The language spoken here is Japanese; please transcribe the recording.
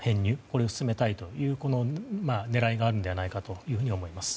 これを進めたいという狙いがあるのではないかと思います。